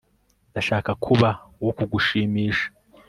Ndashaka kuba uwo kugushimisha